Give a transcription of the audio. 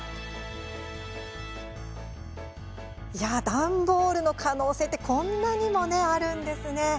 段ボールの可能性はこんなにもあるんですね。